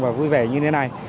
và vui vẻ như thế này